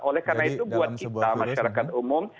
oleh karena itu buat kita masyarakat umum